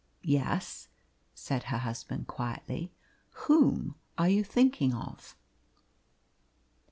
"Yes," said her husband quietly. "Whom are you thinking of?"